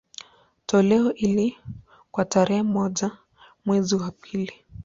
Toleo hili, kwa tarehe moja mwezi wa pili